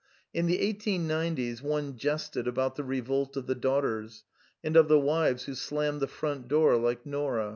In the eighteen nineties one jested about the revolt of the daughters, and of the wives who slammed the front door like Nora.